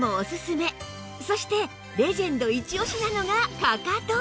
そしてレジェンドイチオシなのがかかと